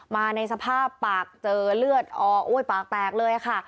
มาในสภาพปากเจอเลือดออกปากแตกเลยค่ะ